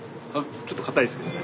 ちょっとかたいですけどね。